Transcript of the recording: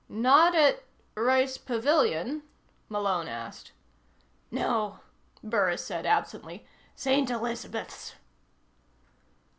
"Not at Rice Pavilion?" Malone asked. "No," Burris said absently. "St. Elizabeths."